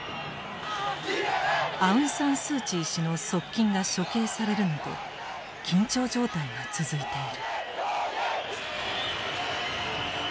アウンサン・スー・チー氏の側近が処刑されるなど緊張状態が続いている。